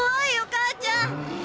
母ちゃん。